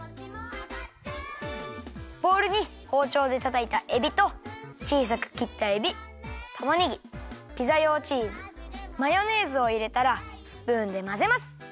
ボウルにほうちょうでたたいたえびとちいさくきったえびたまねぎピザ用チーズマヨネーズをいれたらスプーンでまぜます。